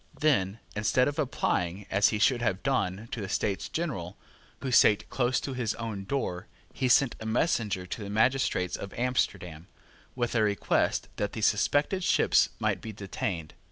Then, instead of applying, as he should have done, to the States General, who sate close to his own door, he sent a messenger to the magistrates of Amsterdam, with a request that the suspected ships might be detained.